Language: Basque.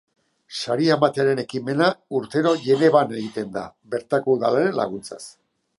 Saria ematearen ekimena urtero Genevan egiten da, bertako udalaren laguntzaz.